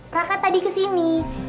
raka tadi kesini